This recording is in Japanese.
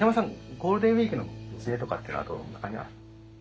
ゴールデンウイークの予定とかっていうのはどんな感じなんですか？